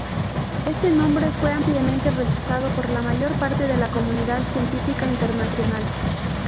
Este nombre fue ampliamente rechazado por la mayor parte de la comunidad científica internacional.